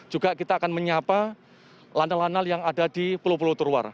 juga kita akan menyapa landal landal yang ada di pulau pulau terluar